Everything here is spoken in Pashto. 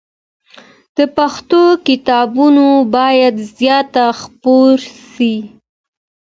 د پښتو کتابونه باید زیات خپاره سي.